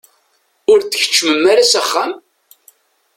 Ur d-tkeččmem ara s axxam?